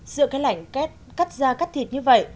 giữa cái lạnh cắt da cắt thịt như vậy